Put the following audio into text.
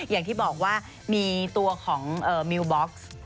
อย่างที่บอกว่ามีตัวของมิวบ็อกซ์